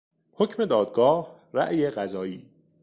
حکم دادگاه، رای قضایی